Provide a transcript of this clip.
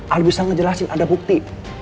ahli bisa ngejelasin ada bukti